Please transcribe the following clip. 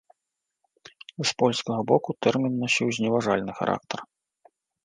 З польскага боку тэрмін насіў зневажальны характар.